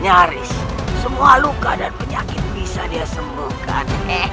nyaris semua luka dan penyakit bisa dia sembuhkan